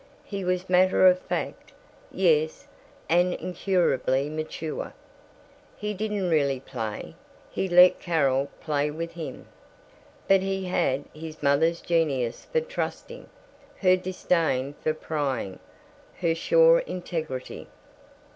He was matter of fact, yes, and incurably mature. He didn't really play; he let Carol play with him. But he had his mother's genius for trusting, her disdain for prying, her sure integrity.